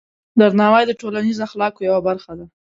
درناوی د ټولنیز اخلاقو یوه برخه ده.